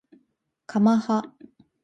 かまは